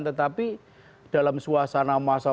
tetapi dalam suasana masa